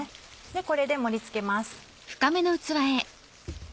これで盛り付けます。